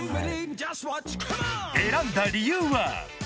選んだ理由は？